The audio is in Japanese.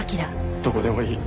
どこでもいい。